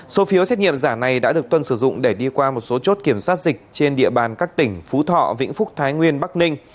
số phiếu xét nghiệm giả này đã được tuân sử dụng để đi qua một số chốt kiểm soát dịch trên địa bàn các tỉnh phú thọ vĩnh phúc thái nguyên bắc ninh